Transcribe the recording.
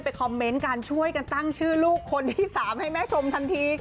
คอมเมนต์การช่วยกันตั้งชื่อลูกคนที่๓ให้แม่ชมทันทีค่ะ